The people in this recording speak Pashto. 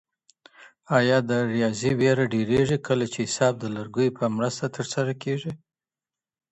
آیا د ریاضي ویره ډیریږي کله چي حساب د لرګیو په مرسته ترسره کیږي؟